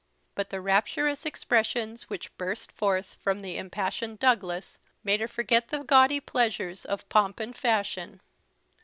But the rapturous expressions which burst from the impassioned Douglas made her forget the gaudy pleasures of pomp and fashion.